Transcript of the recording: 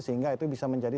sehingga itu bisa mencari